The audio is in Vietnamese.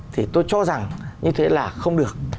thì tôi cho rằng như thế là không được